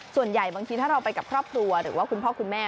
บางทีถ้าเราไปกับครอบครัวหรือว่าคุณพ่อคุณแม่